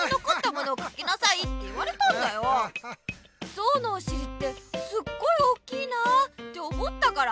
ゾウのおしりってすっごい大きいなあって思ったから。